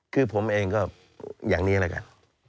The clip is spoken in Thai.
คือผมเองก็อย่างนี้แล้วกัน